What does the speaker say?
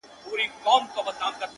که غچيدله زنده گي په هغه ورځ درځم ـ